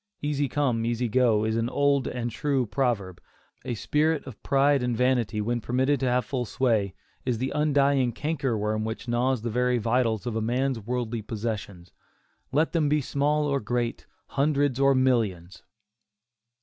"Easy come, easy go," is an old and true proverb. A spirit of pride and vanity, when permitted to have full sway, is the undying canker worm which gnaws the very vitals of a man's worldly possessions, let them be small or great, hundreds or millions.